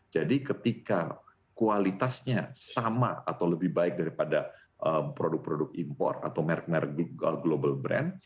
jadi ketika kualitasnya sama atau lebih baik daripada produk produk impor atau merk merk global brand